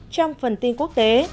trong phần tin quốc tế